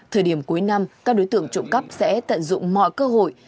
thời điểm cuối năm các đối tượng trộm cắp sẽ tận dụng mọi cơ hội